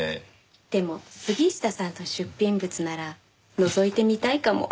でも杉下さんの出品物ならのぞいてみたいかも。